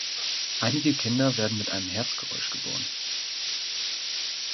Einige Kinder werden mit einem Herzgeräusch geboren.